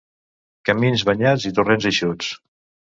Camins banyats i torrents eixuts.